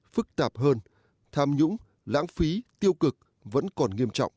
phức tạp hơn tham nhũng lãng phí tiêu cực vẫn còn nghiêm trọng